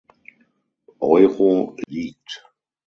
Euro liegt.